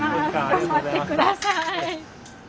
頑張ってください。